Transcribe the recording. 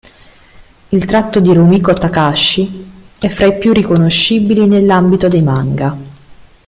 Il tratto di Rumiko Takahashi è fra i più riconoscibili nell'ambito dei manga.